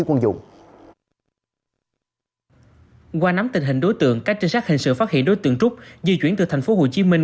qua nắm tình hình đối tượng các trinh sát hình sự phát hiện đối tượng trúc di chuyển từ thành phố hồ chí minh